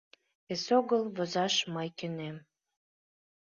Эсогыл возаш мый кӧнем.